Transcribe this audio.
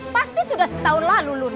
pasti sudah setahun lalu